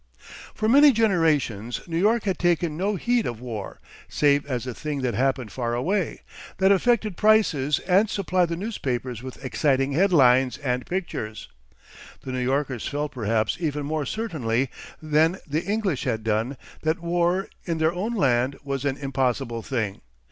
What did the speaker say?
For many generations New York had taken no heed of war, save as a thing that happened far away, that affected prices and supplied the newspapers with exciting headlines and pictures. The New Yorkers felt perhaps even more certainly than the English had done that war in their own land was an impossible thing.